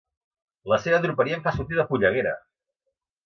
La seva droperia em fa sortir de polleguera!